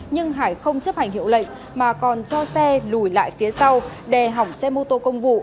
nhưng hải không chấp hành hiệu lệnh mà còn cho xe lùi lại phía sau đè hỏng xe mô tô công vụ